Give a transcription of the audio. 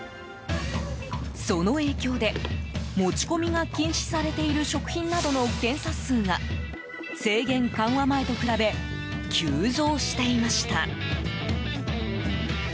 その影響で持ち込みが禁止されている食品などの検査数が制限緩和前と比べ急増していました。